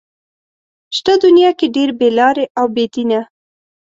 شته دنيا کې ډېر بې لارې او بې دينه